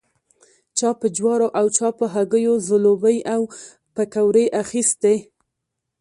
چا په جوارو او چا په هګیو ځلوبۍ او پیکوړې اخيستې.